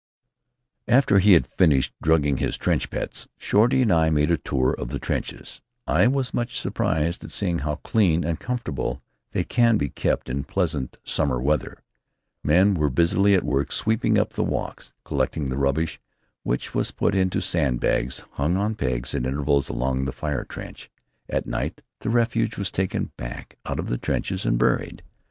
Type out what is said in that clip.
After he had finished drugging his trench pets, Shorty and I made a tour of the trenches. I was much surprised at seeing how clean and comfortable they can be kept in pleasant summer weather. Men were busily at work sweeping up the walks, collecting the rubbish, which was put into sandbags hung on pegs at intervals along the fire trench. At night the refuse was taken back of the trenches and buried.